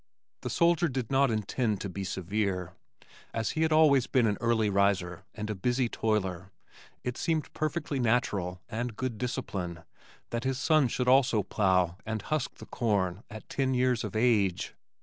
The soldier did not intend to be severe. As he had always been an early riser and a busy toiler it seemed perfectly natural and good discipline, that his sons should also plow and husk corn at ten years of age.